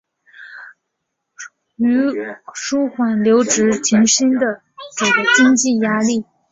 纾缓留职停薪者的经济压力